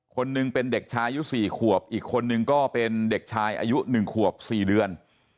คนหนึ่งเป็นเด็กชายุ๔ขวบอีกคนนึงก็เป็นเด็กชายอายุ๑ขวบ๔เดือน